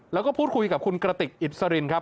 แล้วก็พูดคุยกับคุณกระติกอิสรินครับ